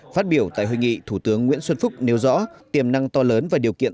phát biểu tại hội nghị thủ tướng nguyễn xuân phúc nêu rõ tiềm năng to lớn và điều kiện